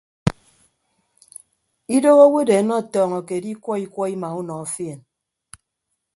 Idooho awodeen ọtọọñọke edikwọ ikwọ ima unọ fien.